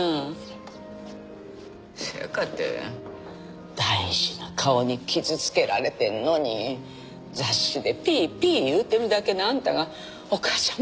せやかて大事な顔に傷つけられてんのに雑誌でピーピー言うてるだけのあんたがお母ちゃん